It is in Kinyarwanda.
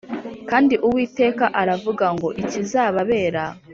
Kandi Uwiteka aravuga ngo ikizababera